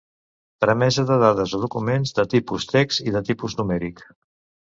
Tramesa de dades o documents de tipus text i de tipus numèric.